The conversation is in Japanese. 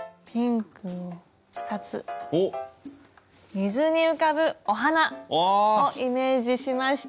水に浮かぶお花をイメージしました。